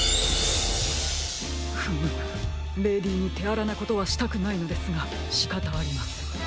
フムムレディーにてあらなことはしたくないのですがしかたありません。